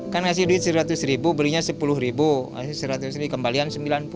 kan dikasih duit seratus belinya sepuluh kembalian sembilan puluh